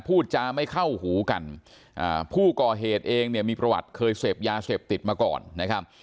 พูดจาไม่เข้าหูกันอ่าผู้ก่อเหตุเองเนี่ยมีประวัติเคยเสพยาเสพติดมาก่อนนะครับ